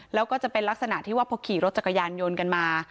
แล้วก็จะเป็นลักษณะที่ว่าพอขี่รถจักรยานยนต์กันมา